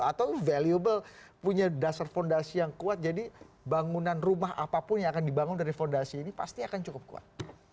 atau valuable punya dasar fondasi yang kuat jadi bangunan rumah apapun yang akan dibangun dari fondasi ini pasti akan cukup kuat